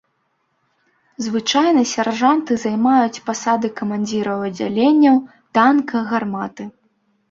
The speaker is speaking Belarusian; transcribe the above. Звычайна сяржанты займаюць пасады камандзіраў аддзяленняў, танка, гарматы.